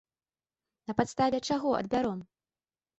На падставе чаго адбяром?